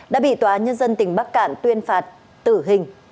đã bị tòa nhân dân tỉnh bắc cạn tuyên phạt tử hình